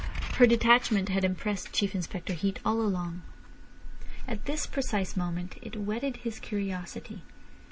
Her detachment had impressed Chief Inspector Heat all along. At this precise moment it whetted his curiosity.